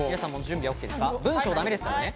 文章はだめですからね。